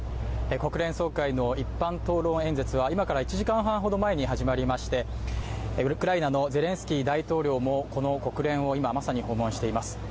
国連総会の一般討論演説は今から１時間ほど前に始まりまして、ウクライナのゼレンスキー大統領もこの国連を、まさに訪問しています。